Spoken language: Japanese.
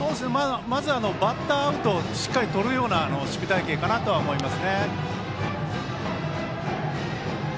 まずはバッターアウトをしっかりとるような守備隊形かなと思います。